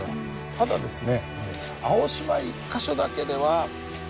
ただですね